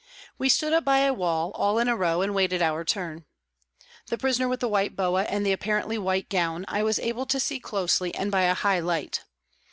We stood up by a wall, all in a row, and waited our turn. The prisoner with the white boa and the apparently white gown, I was able to see closely and by a high light.